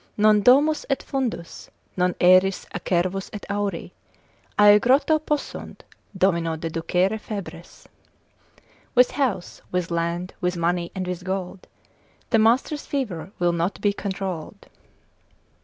Non domus et fundus, non aeris acervus et auri Aegroto possunt domino deducere febres. With house, with land, with money, and with gold, The master's fever will not be controll'd.